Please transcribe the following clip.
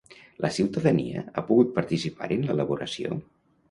La ciutadania ha pogut participar-hi en l'elaboració?